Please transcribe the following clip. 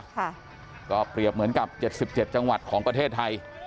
ค่ะก็เปรียบเหมือนกับเจ็ดสิบเจ็ดจังหวัดของประเทศไทย